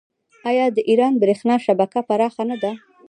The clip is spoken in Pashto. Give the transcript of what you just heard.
آیا د ایران بریښنا شبکه پراخه نه ده؟